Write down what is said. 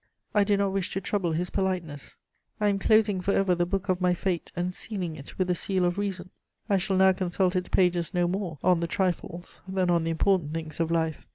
I do not wish to trouble his politeness. I am closing for ever the book of my fate, and sealing it with the seal of reason; I shall now consult its pages no more on the trifles than on the important things of life.